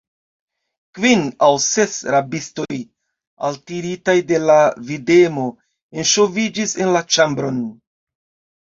Kvin aŭ ses rabistoj, altiritaj de la videmo, enŝoviĝis en la ĉambron.